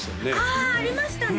あありましたね